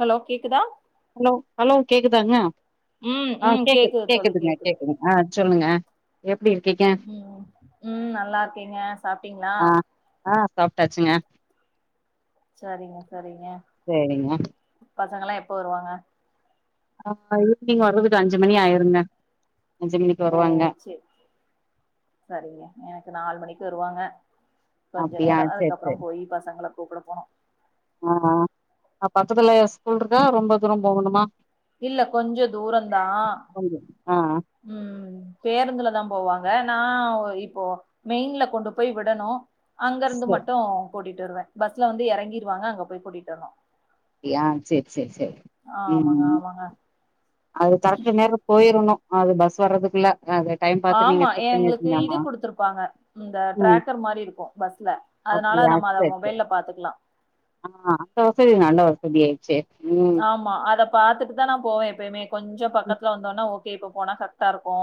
Hello கேக்குதா ம் ஆ ம் கேக்குது தோழி கேக்குதுங்க கேக்குது கேக்குதுங்க ஆ சொல்லுங்க எப்டி இருக்கீங்க உம் உம் நல்லா இருக்கேங்க சாப்ட்டீங்களா ஆ ஆ சாப்ட்டாச்சுங்க சரிங்க சரிங்க சேரிங்க பசங்கள்ளா எப்போ வருவாங்க ஆ ஆ ஈவினிங் வரதுக்கு அஞ்சு மணி ஆயிருங்க அஞ்சு மணிக்கு ஓ வருவாங்க சே சரிங்க எனக்கு நாலு மணிக்கு வருவாங்க கொஞ்சோ ஆ நேரோ சேரி அதுக்கப்பறோ சேரி போயி பசங்கள கூப்பட போனு ஆ ஆ அ பக்கத்துல ஸ்கூல்ருக்கா ரொம்ப தூரம் போகனுமா இல்ல கொஞ்சோ தூர தா கொஞ்சோ ஆ உம் பேருந்துல தா போவாங்க நா இப்போ மெயின்ல கொண்டு போயி விடணு அங்க இருந்து சே மட்டு கூட்டிட்டு வருவே பஸ்ல வந்து இறங்கிருவாங்க அங்க போயி கூட்டிட்டு வரணு அப்டியா சேர் சேர் சேர் ஆமாங்க உம் ஆமாங்க அது தரக்கு நேரம் போயிருணு அது பஸ் வர்றதுக்குள்ள அது டைம் பாத்து நீங்க ஆமா செட் பண்ணி எங்ளுக்கு வச்சீங்க இது ஆமா குடுத்துருப்பாங்க இந்த ம் டிராக்கர் மாரி இருக்கு பஸ்ல அதனால நம்ம அத மொபைல்ல பாத்துக்கலா ஆஹ அந்த வசதி நல்ல வசதி ஆய்ச்சே ஆமா அத பாத்துட்டு தா நா போவே எப்பேமே கொஞ்ச பக்கத்துல வந்தோனா ஓகே இப்ப போனா கரெக்டா இருக்கு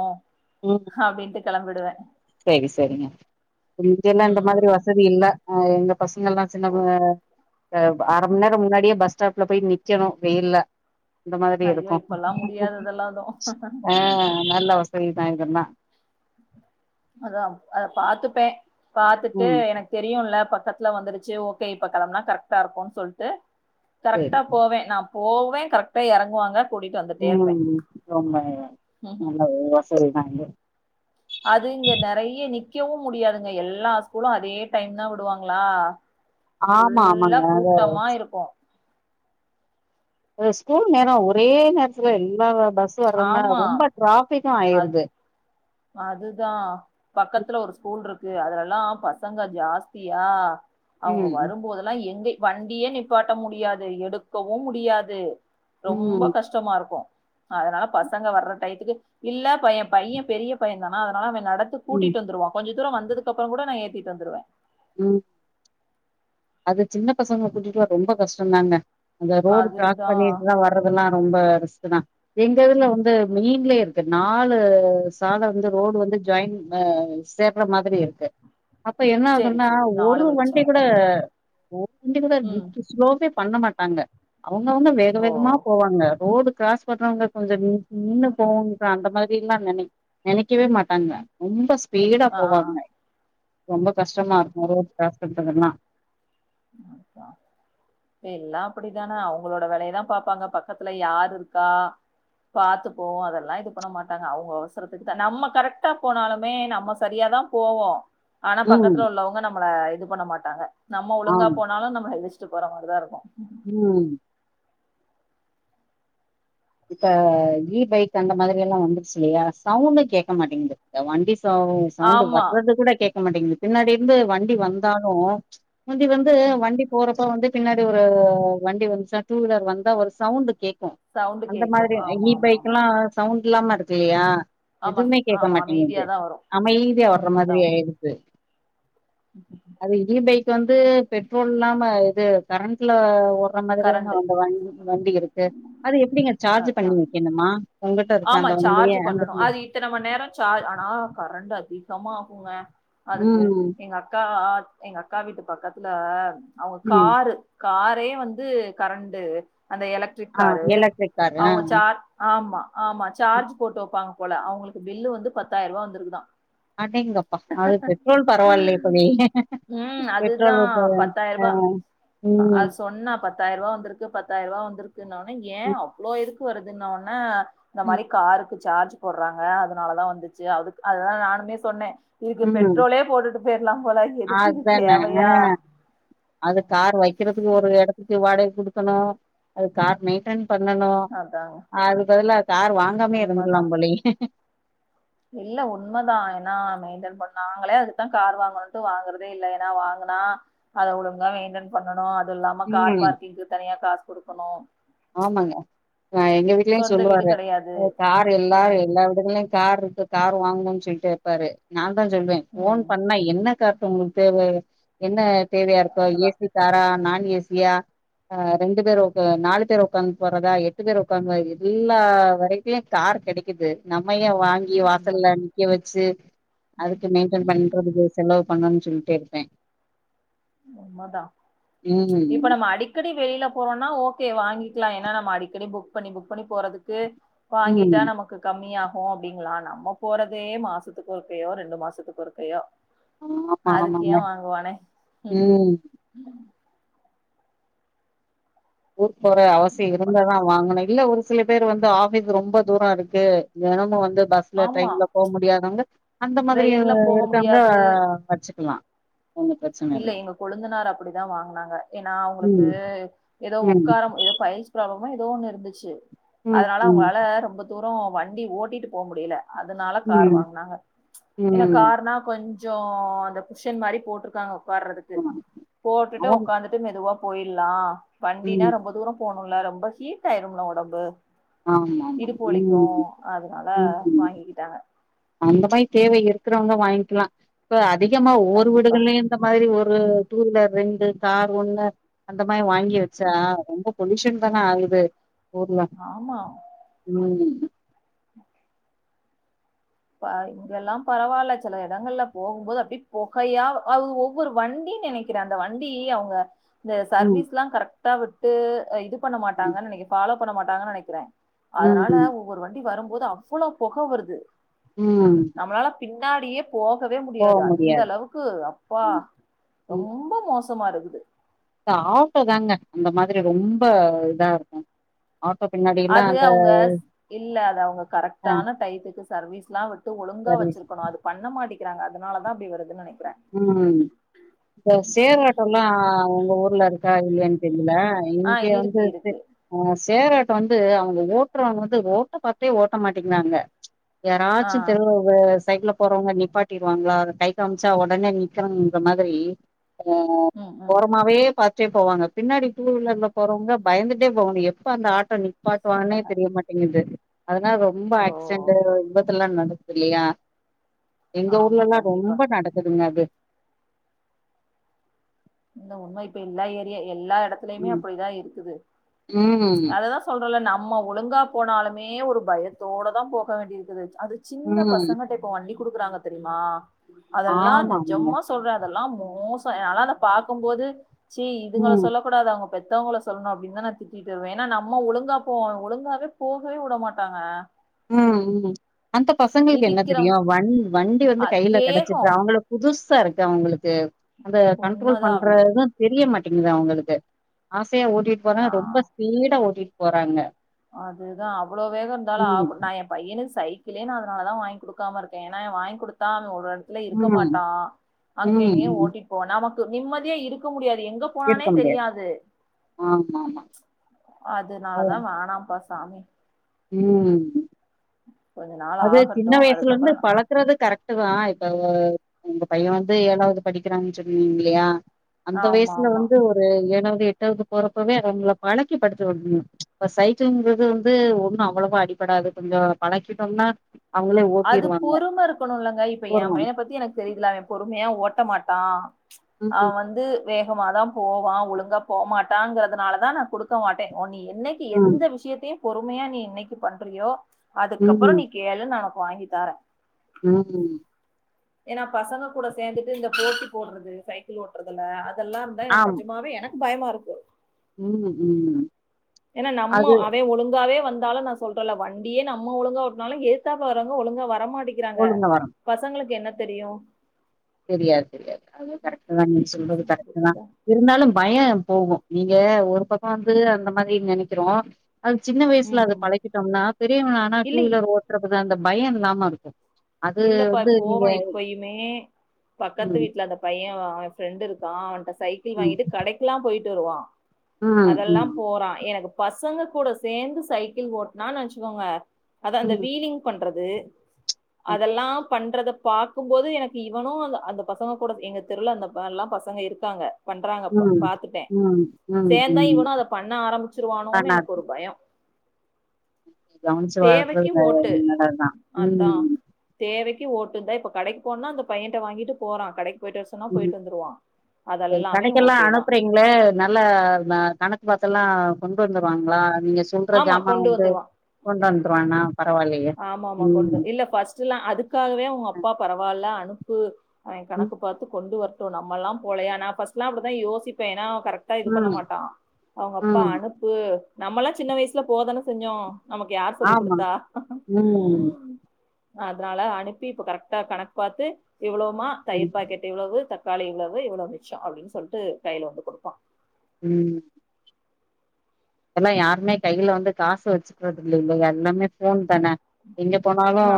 உம் அப்டின்ட்டு கெளம்பிடுவே சேரி சேரிங்க இங்க எல்லா இந்த மாரி ம் வசதி இல்ல ஹ எங்க பசங்கல்லா ஓ சின்னது அரை மண் நேரம் முன்னாடியே பஸ் ஸ்டாப்ல போயி நிக்கணு வெயில்ல இந்த மாதிரி ஐயோ இருக்கு இப்பல்லா முடியாது அதெல்லா எது ஆ நல்ல வசதிதா இதல்லா அதா அத பாத்துப்பே பாத்துட்டு ம் எனக் தெரியுல்ல பக்கத்துல வந்துருச்சு ஓகே இப்ப கெளம்னா கரெக்ட்டா இருக்குன்னு சொல்ட்டு செரி கரெக்ட்டா செரி போவே நா போவே கரெக்ட்டா இறங்குவாங்க உம் ரொம்ப நல்ல வசதி தாங்க அது இங்க நெறய நிக்கவு முடியாதுங்க எல்லா ஸ்கூலு அதே டைம் தா விடுவாங்களா ஆமா ஃபுல்லா ஆமாங்க அத கூட்டமா இருக்கு ஸ்கூல் நேரோ ஒரே நேரத்துல எல்லா பஸ்ஸீ வர்துனால ஆமா ரொம்ப டிராஃபிக்கு ஆயிருது அதுதா பக்கத்துல ஒரு ஸ்கூல் இருக்கு அதுலல்லா பசங்க ஜாஸ்தியா அவுங்க ம் வரும்போதெல்லா எங்க வண்டியே நிப்பாட்ட முடியாது எடுக்கவு முடியாது ரொம்ப ம் கஷ்டமா இருக்கு அதனால பசங்க வர்ற டயம்க்கு இல்ல பைய பைய பெரிய பையந்தானா அதனால அவே நடந்து ம் கூட்டிட்டு வந்துருவா கொஞ்ச தூர வந்ததுக்கு அப்பறம் கூட நா ஏத்திட்டு வந்துருவே உம் அது சின்ன பசங்க கூட்டுட்டு ரொம்ப கஷ்டந்தாங்க அந்த ரோடு கிராஸ் அதுதான் பண்ணிட்டுதா வ ரதுலா ரொம்ப ரிஸ்க்கு தா எங்கதுல வந்து மெயின்லயே இருக்கு நாலு சால வந்து ரோடு வந்து ஜாயின் ஹ சேர்ற மாதிரி இருக்கு ம் அப்ப என்ன ஆகுன்னா ஒரு வண்டி கூட ஓண்ணு கூட ம் ஸ்லோவே பண்ண மாட்டாங்க அவுங்கவுங்க வேக ஓ வேகமா போவாங்க ரோடு கிராஸ் பண்றவங்க கொஞ்ச நின் நின்னு போவும்ங்க அந்த மாரிலா நெனை நெனைக்கவே மாட்டாங்க ரொம்ப ஸ்பீடா ஆ போவாங்க ரொம்ப கஷ்டமா இருக்கு ரோடு கராஸ் பன்றதல்லா ப்பா எல்லா அப்டித்தானே அவுங்ளோட வேலையதா பாப்பாங்க பக்கத்துல யாரு இருக்கா பாத்துப்போவோ அதெல்லா இது பண்ண மாட்டாங்க அவுங்க அவசரத்துக்கு தா நம்ம கரெக்ட்டா போனாலுமே நம்ம சரியாதா போவோ ஆனா ம் பக்கத்துல உள்ளவங்க நம்மள இது பண்ண மாட்டாங்க நம்ம ஒழுங்கா ஆமா போனாலு நம்ம போற மாரிதா இருக்கு உம் இப்ப இ பைக் அந்த மாதிரி எல்லா வந்துருச்சுயில்லையா சவுண்ட கேட்க மாட்டேங்குது த வண்டி சவு சவுண்ட் ஆமா வர்றது கூட கேட்க மாட்டேங்குது பின்னாடி இருந்து வண்டி ம் வந்தாலு முந்தி வந்து ம் வண்டி போறப்ப வந்து பின்னாடி ஒரு வண்டி வந்துச்சா டூ வீலர் வந்தா ஒரு சவுண்ட் கேக்கு சவுண்டு அந்த கேக்கு மாதிரி ஆமா இ ஆமா ஆமா பைக்கெல்லா சவுண்ட் இல்லாம இருக்கில்லையா ஆமா எதுவுமே கேக்க ஆமா மாட்டேங்குது அமைதியாதா வரு அமைதியா வர்ற உண்மதா மாதிரி ஆயிடுது அது இ பைக் வந்து பெட்ரோல் இல்லாம இது கரண்ட்ல ஓ ட்ற மாதிரிதாங்க கரண்டு அந்த வண்டி வண்டி இருக்கு அது எப்படிங்க சார்ஜ் அதா பண்ணி வெக்கணுமா உங்கிட்ட இருக்க ஆமா அந்த வண்டியே சார்ஜ் அந்த பண்ணணும். அது இத்தன மண் நேர சா ஆனா கரண்ட் அதிகமா ஆகுங்க அதுக்கு ம் எங்க அக்கா எங்க அக்கா வீட்டு பக்கத்துல அவங்க ம் காரு காரே வந்து கரண்டு அந்த எலக்ட்ரிக் ஆ காரு எலக்ட்ரிக் காரு ஆ அவங்க சார் ஆமா ஆமா சார்ஜ் போட்டு வெப்பாங்க போல அவங்களுக்கு பில்லு வந்து பத்தாயிருவா வந்துருக்குதா அடேங்கப்பா அது பெட்ரோல் பரவாயில்லையே தோழி ம் அதுதா பெட்ரோல் ஊத்தாத பத் ஆ தாயிருபா ம் அது சொன்னா பத் தாயிருவா வந்திருக்கு பத்தாயிருவா வந்திருக்குனொனே ஏ அவ்ளோ எதுக்கு வருதுன்ன ஒன்ன இந்த ம் மாரி காருக்கு சார்ஜ் போடுறாங்க அதனாலதா வந்துச்சு அதுக்கு அதா நானுமே சொன்னே இதுக்கு ம் பெட்ரோலே போட்டுட்டு போயிர்லா போல எதுக்கு இது அதான தேவையா அது கார் வைக்கிறதுக்கு ஒரு எடத்துக்கு வாடகை குடுக்கணு அது கார் மெயிட்டன் பண்ணணு அதாங்க அது பதிலா கார் வாங்காமே உண்மதா இருந்துர்லாம் போலியே இல்ல உண்மைதா ஏன்னா மெயின்டென் பண்ண நாங்களே அதுக்குதா கார் வாங்கணுன்ட்டு வாங்கறதே இல்ல ஏன்னா வாங்குனா அத ஒழுங்கா மெயின்டென் பண்ணணு அது இல்லாம கார் ம் பார்க்கிங்க்கு தனியா காசு குடுக்கணு ஆமாங்க அ எங்க வீட்லயு சொந்த வீடு சொல்லுவாரு கெடையாது கார் எல்லா ம் எல்லா வீடுகல்லயு கார் இருக்கு கார் வாங்கணுனு சொல்லிட்டே இருப்பாரு நாந்தா சொல்வே ஃபோன் ம் பண்ணா என்ன துக்காக உங்களுக்கு தேவ என்ன தேவையா இருக்கு ஏ அவ்ளோதா சி காரா நான் ஏ சி யா அ ரெண்டு பேர் உக்க நாலு பேர் உக்காந்து போறதா எட்டு பேர் உக்காந்து எல்லா வெரைட்டிலு கார் கெடைக்குது நம்ம ஏ வாங் கி உண்மதா வாசல்ல நிக்க வெச்சு அதுக்கு மெயின்டென் பண்றதுக்கு செலவு பண்ணுனு சொல்லிட்டே இருப்பே உண்மதா இப்ப ம் நம்ம அடி க்கடி வெளியில போறோனா ஓகே வாங்கிக்லா ஏனா நம்ம அடிக்கடி புக் பண்ணி புக் பண்ணி போறதுக்கு வாங்கிட்டா ம் நமக்கு கம்மியாகு அப்டிங்ளா நம்ம போறதே மாசத்துக்கு ஒருக்கையோ ரெண்டு மாசத்துக்கு ஒருக்கையோ ஆமா அதுக்கு ஏ ஆமாங்க வாங்குவானே ம் ஊருக் போற அவசிய அப்ப- இருந்தாதா வாங்கனு இல்ல ஒரு சில பேர் வந்து ஆஃபிஸ் ரொம்ப தூர இருக்கு தெனமு வந்து பஸ் ல ஆமா ட்ரெயின்ல போக முடியாதவங்க அந்த மாதிரி ட்ரெயின்ல போக இருக்கவங்க முடியாது வச்சுக்கலா ஒன்னு பிரச்சன இல்ல எங்க கொழுந்தனார் அப்படிதா வாங்குனாங்க ஏன்னா அவங்களுக்கு ம் ஏதோ ம் உக்கார ஏதோ பைல்ஸ் ப்ராப்ளமோ ஏதோ ஒண்ணு இருந்துச்சு ம் அதனால ம் அவங்களால ரொம்ப தூர வண்டி ஓட்டிட்டு போக முடில அதனால கார் ம் வாங்னாங்க ஏன்னா ம் கார்னா கொஞ் சோ அந்த குஷன் மாரி போட்ருக்காங்க உக்கார்றதுக்கு ஆமா போட்டுட்டு அவங் உக்காந்து மெதுவா போயில்லா வண்டினா ம் ரொம்ப தூர போகனுல்ல ரொம்ப ஹீட் ஆயிரும்ல ஒடம்பு ஆமா ஆமா இடுப்பு வலிக்கு ம் அதனால ம் வாங்கிக்கிட்டாங்க அந்த மாரி தேவை இருக்கிறவங்க வாங்கிக்கலா இப்ப அதிகமா ஓர் கண்டிப்பா வீடுகள்லயு இந்த மாரி ஒரு டூ வீலர் ரெண்டு கார் ஒண்ணு அந்த மாரி வாங்கி வெச்சா ம் ரொம்ப பொல்யூஷன் தான ஆகுது ஊர்ல ஆமா ம் ப இங்கெல்லா பரவால்ல செல எடங்கள்ல போகும்போது அப்டி பொகையா அது ஒவ்வொரு வண்டினு நெனை க்கிற அந்த வண்டி அவங்க இந்த ம், சர்வீஸ்ல்லா கரெக்ட்டா விட்டு இது பண்ண ம், மாட்டாங்கன்னு நெனைக்கு ஃபாலோ பண்ண மாட்டாங்கன் நெனைக்கிறே அதனால ம், ஒவ்வொரு வண்டி வரும்போது அவ்வள பொக வருது ம் நம்மலால பின்னாடியே போகவே முடியாது அந்த அளவு க்கு அப்பா ம், ம். ரொம்ப மோசமா இருக்குது இந்த ஆட்டோ தாங்க அந்த மாரி ரொம்ப இதா இருக் ஆட்டோ பின்னாடி அது அவங்க இல்ல அது அவங்க ஆ கரெக்டான டயத்துக்கு சர்வீஸ்ல்லா விட்டு ஒழுங்கா சர்வீஸ். வச்சிருக்கணு அது பண்ண மாட்டேக்கறாங்க அதனாலதா அப்டி வருதுன் நெனைக்கிறே ம் இப்ப சேராட்டோல்லா உங்க ஊர்ல இருக்கா இல்லயான்னு தெரியல இங்க ஆஹ் வந்து இருக்கு இருக்கு ஆ சேராட்டோ வந்து அவங்க ஓட்டுறவங்க வந்து ரோட்ட பாத்தே ஓட்ட மாட்டேங்கறாங்க யாராச்சும் ஆஹ் தெருவுல சைக்கில போறவங்க நிப்பாட்டிருவாங்களா அத கை கா ச்சா ஒடனே நிக்கணுங்கற மாரி உம் உம் ஓரமாவே பாத் ட்டே போவாங்க பின்னாடி டூ வீலர்ல போறவங்க பயந்துட்டே போவாங்க எப்ப அந்த ஆட்டோ நிப்பாட்டுவான்னே தெரிய மாட் டேங்குது அதனால ரொம்ப ஓ ஆக்சிடென் விபத்து எல்லா நடக்குது இல்லையா எங்க ஆமா ஊர்லல்லா கண்டிப்பா ரொம்ப நடக்குதுங்க அது இந்த உண்மை இப்ப எல்லா ஏரியா எல்லா எடத்துலயுமே ம் அப்டிதா இருக்குது ம் அததா சொல்றேல நம்ம ஒழுங்கா போனாலுமே ஒரு பயத்தோட தா போக வேண்டிய இருக்குது அது சின்ன ம் பசங்கட்ட இப்ப வண்டி குடுக்குறாங்க தெரியுமா அதெல்லா ஆமா ஆமாங்க நெஜமா சொல்றே அதெல்லா மோசோ ஆனா அத பாக்கும்போது சி இதுங்கள ம் சொல்ல கூடாது அவங்க பெத்தவங்கள சொல்லணும் அப்டினுதா நா திட்டிட்டு வருவே ஏன்னா நம்ம ஒழுங்கா போவோ ஒழுங்காவே போகவே விட மாட்டாங்க ம் ம் அந்த பசங்களுக்கு என்ன இடிக்கிறோ தெரியும் வண் வண்டி வந்து அ கையில வேகோ கெடைச்சிட்டா அவங்கள புதுசா இருக்கு அவங்களுக்கு அந்த கண்ட்ரோல் பண்ற உண்மதாவே இதும் தெரிய மாட்டேங்குது அவங்களுக்கு ஆசையா ஓட்டிட்டு போறா நா ரொம்ப ஸ்பீடா ஓட்டிட்டு போறாங்க அதுதா அவ்ளோ வேகோ இருந்தாலும் ம் ஆக நா ஏ பையனுக்கு சைக்கிளே நா அதனால தா வாங்கி குடுக்காம இருக்கே ஏன்னா வாங்கி குடுத்தா அவன் ஒரு ல்ல இருக்க ம் மாட்டா அங்க ம் இங்கயோ ம் ஓட்டிட்டு போவா நமக்கு நிம்மதியா இருக்க முடியாது எங்க போனானே இருக்க முடியாது தெரியாது ஆமா ஆமா அது அதனாலதா வா அப்பா சாமி ம் கொஞ்ச நாள் ஆகட்டும் அதுக்கப்பறோ இருக்கிறது கரெக்ட் தா இப்ப உங்க பையே வந்து ஏழாவது படிக்கிறான்னு சொன்னீங்க இல்லயா அந்த ஆமா வயசுல ஆமா வந்து ஒரு ஏழாவது எட்டாவது போறப்பவே அவங்கள பழக்கி படுத்து விட்னும் இப்ப சைக்கிள்ங்கறது வந்து ந்து ஒண்ணும் அவ்வளவா அடிபடாது கொஞ்சோ பழக்கிட்டோம்னா அவங்களே அது ஓட்டிருவாங்க பொறும இருக்கணுலங்க இப்ப ஏ போர்மன் பையனை பத்தி எனக்கு தெரியதல்ல அவே பொறுமையா ஓட்ட மாட்டா அவ ம் வந்து வேகமாதா போவா ஒழுங்கா போமாட்டாங்கிறதுனால தா நா குடுக்க மாட்டே ஓ நீ என்னைக்கு ம் எந்த விஷயத்தையும் பொறுமையா நீ என்னைக்கு பண்றியோ அதுக்கப்பறோ ம் நீ கேளு நா வாங்கி தாரே ம் ஏன்னா பசங்க கூட சேந்துட்டு இந்த போட்டி போடுறது சைக்கிள் ஓட்டுறதுல அதெல்லாந்தா எனக்கு ஆம் நஜமாவே எனக் பயமா இருக்கு ம் ம் ஏனா நம்ம அது அவ ஒழுங்காவே வந்தாலு நா சொல்றல வண்டியே நம்ம ஒழுங்கா ஓட்னாலு ஏத்தாப்ல வர்றவங்க ஒழுங்கா வர மாட்டேக்கிறாங்க ஒழுங்கா வர பசங்களுக்கு என்ன தெரியு தெரியாது தெரியாது அது கரெக்டு தா நீங்க சொல்றது கரெக்டு தா இருந்தாலு பய போகு நீங்க ஒரு பக்க வந்து அந்த மாதிரி நெனைக்கிறோ அது சின்ன வயசுல அத ம். பழக்கிட்டோம்னா பெரியவ ஆனா டூ இல்ல வீலர் ஓட்டுறது அந்த பயோ இல்லாம இருக்கு அது வந்து நீங்க மே பக்கத்து ம் வீட்ல அந்த பைய அவ ஃப்ரெண்டு இருக்கா அவன்ட சைக்கிள் ம் வாங்கிட்டு கடைக் கெல்லா போயிட்டு வருவா ம் அதெல்லா போறா எனக் பசங்க கூட சேந்து சைக்கிள் ஓட்னான் வச்சுக்கோங்க அத ம் அந்த ம் வீலிங் பண்றது அதெல்லாம் பண்றத பாக்கும்போது எனக்கு இவனு அந்த அந்த பசங்க கூட எங்க தெருல அந்த எல்லா பசங்க இருக்காங்க பண்றாங்கப்ப ம் பாத்துட்டே ம் ம் சேந்தா ம் இவனு அத பண்ண ஆரம்பிச்சிருவானோனு ஆனா அது எனக்கு ஒரு பயோ நீங்க கவனிச்சு வளர்க்கறது தேவைக்கு ந- ஓட்டு நல்லதுதான் அதா ம் தேவைக்கு ஓட்டுந்தா இப்ப கடைக்கு போனா அந்த பையன்ட்ட வாங்கிட்டு போறா கடைக் போய்ட்டு வரசொன்னா ம் போயிட்டு வந்துருவா அதெல்லாமே ஓகே தா இல்ல நல்ல கணக்கு பாத்தல்லா கொண்டு வந்துருவாங்களா நீங்க சொல்ற ஆமா சாமா கொண்டு வந்து வந்துருவான் கொண்டு வந்துருவாண்ணா பரவாயல்லயே ம் சில அதுக்காகவே அவங்க அப்பா பரவால்ல அனுப்பு அவ ம் கணக்கு பாத்து கொண்டு வர டு நம்மல்லா போலையா நா ஃபஸ்ட்லா அப்டி தா யோசிப்ப ஏனா கரெக்ட் டா இது பண்ண ம் மாட்டா அவங்க அப்பா ம் அனுப்பு நம்மல்லா சின்ன வயசுல போதான செஞ்சோ நமக்கு யார் சொல்லி ஆமா குடுத்தா ம் அதனால அனுப்பி இப்ப கரெக்டா கணக்கு பாத்து இவ்ளோமா ம் தயிர் பாக்கெ இவ்ளவு தக்காளி இவ்ளவு இவ்ளோ மிச்சொ அப்டின்னு சொல்லிட்டு கையில வந்து குடுப்பா ம் எனா யாருமே கையில வந்து காசு வச்சுக்கறது இல்லயே எல்லாமே ஃபோன் தான எங்க போனாலு ஆ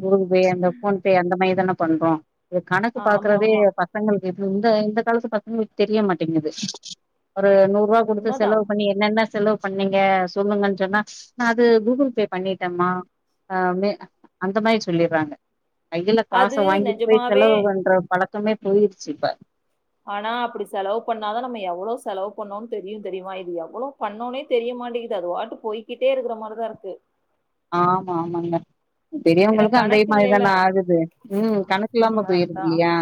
கு பெ அந்த ஃபோன் பே அந்த மாரி தான பண்றோ இது கணக்கு ஆ, ஆமா பாக்குறதே ஆமா ப பசங்களுக்கு இந்த காலத்து பசங்களுக்கு தெரிய மாட்டேங்குது ஒரு நூ ரூவா குடுத்து உண்மதா செலவு பண்ணி என்னன்ன செலவு பண்ணீங்க சொல்லுங்கன் சொன்னா நா அது கூகுள் பே பண்ணிட்டம்மா ஆ மே அந்த மாரி சொல்லிறாங்க கையில காச அது வாங்கிட் போய் நெஜமாவே செலவுபன்ற பழக்கமே போயிடுச்சு இப்ப ஆனா அப்படி செலவு பண்ணாதா நம்ம எவ்வளவு செலவு பண்ணோனு தெரியு தெரியுமா இது எவ்ளோ பண்ணோனே தெரிய மாட்டேங்கிது அது வாட்டு போய்கிட்டே இருக்கிற மாரிதா இருக்கு ஆமா ஆமாங்க ஏன்னா பெரியவங்களுக்கு அந்தே கணக்கு இல்லைல மாரிதான ஆகுது ம் கணக் இல்லாம ம் போயிருது அதா இல்லையா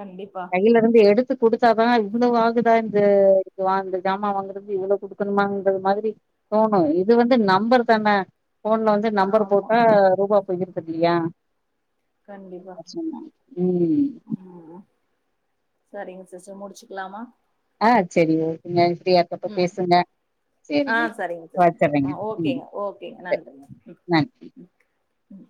கண்டிப்பா கையில இருந்து எடுத் டுத்து குடுத்தாதா இவ்வளவு ஆகுதா இந்த இந்த ஜாமான் வாங்குறிதுக்கு இவ்வளவு கொடுக்கணுமாங்க மாதிரி தோணு இது வந்து நம்பர் தான போன்ல வந்து நம்பர் ஆமா போட்டா ரூபா போயிருது இல்லையா கண்டிப்பா [unintelligible] ம் ம் சரிங்க சிஸ்டர் முடிச்சுக்கலமா ஆ சேரிங்க நீங்க ஃப்ரீயா இருக்கப்ப ம் பேசுங்க ஆ சேரிங்க சரிங்க சிஸ்டர் வச்சரேங்க ஆ ம் ஓகேங்க ஓகேங்க சேரி நன்றிங்க ம் நன்றி ம் ம்